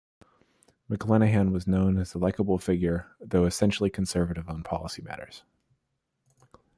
McLenaghen was known as a likeable figure, though essentially conservative on policy matters.